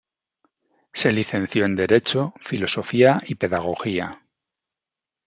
Se licenció en derecho, filosofía y pedagogía.